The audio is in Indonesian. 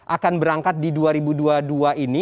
akan berangkat di dua ribu dua puluh dua ini